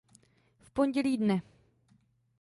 V pondělí dne.